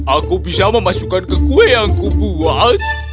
aku bisa memasukkan ke kue yang kubuat